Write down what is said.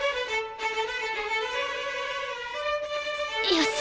よし！